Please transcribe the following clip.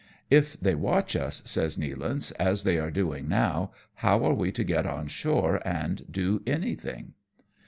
'^ "If they watch us," says Nealance, "as they are doing now, how are we to get on shore and do anything